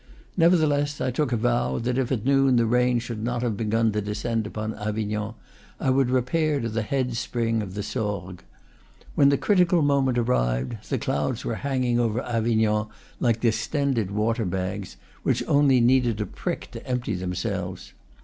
Nevertheless I took a vow that if at noon the rain should not have begun to descend upon Avignon I would repair to the head spring of the Sorgues. When the critical moment arrived, the clouds were hanging over Avignon like distended water bags, which only needed a prick to empty themselves.